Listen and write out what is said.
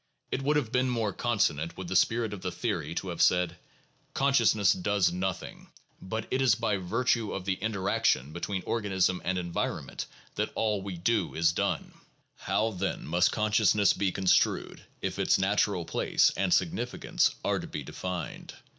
It would have been more consonant with the spirit of the theory to have said: Consciousness does nothing, but it is by virtue of the interaction between organism and environment that all we do is done ; how, then, must conscious ness be construed if its natural place and significance are to be defined?